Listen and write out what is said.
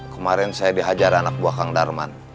kemarin saya dihajar anak buah kang darman